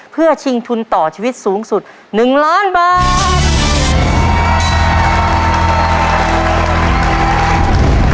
เพื่อชิงทุนต่อชีวิตสูงสุด๑ล้านบาท